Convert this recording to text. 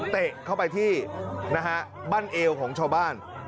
เตะเข้าไปที่นะฮะบ้านเอวของชาวบ้าน